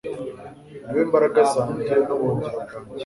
ni we mbaraga zanjye, n'ubuhungiro bwanjye